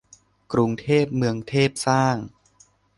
กรุงเทพเมืองเทพสร้าง